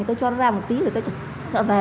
thì tôi cho nó ra một tí rồi tôi chọn về